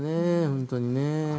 本当にね。